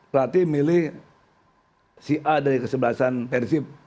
pelatih milih si a dari kesebelasan persib